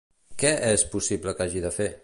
Què es possible que hagi de fer?